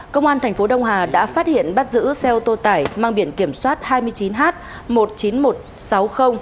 công an tp đông hà đã phát hiện bắt giữ xe ô tô tải mang biển kiểm soát hai mươi chín h